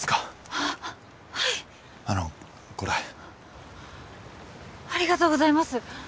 あっはいあのこれありがとうございます